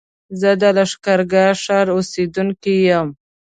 زه د لښکرګاه ښار اوسېدونکی يم